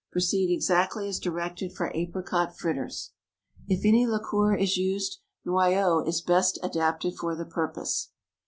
Proceed exactly as directed for apricot fritters. If any liqueur is used, noyeau is best adapted for the purpose.